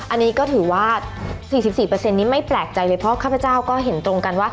อันนี้ก็ถือว่า๔๔นี้ไม่แปลกใจเลยเพราะข้าพเจ้าก็เห็นตรงกันว่า